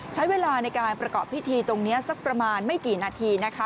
ใช้เวลาในการประกอบพิธีตรงนี้สักประมาณไม่กี่นาทีนะคะ